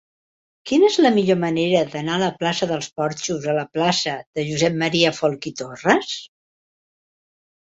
Quina és la millor manera d'anar de la plaça dels Porxos a la plaça de Josep M. Folch i Torres?